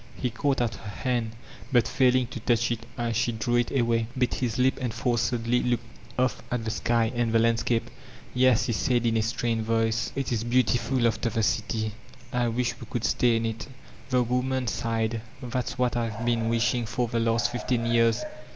He caught at her hand, but failing to touch it as she drew i* away, bit his lip and forcedly looked off at the sky an! the landscape: ''Yes," he said in a strained voice, "it i The Tuumph of Youth 455 bcMtiftil, after the city. I wish we could stay m it The woman sighed : ''That's what I have been wishing for the last fifteen years."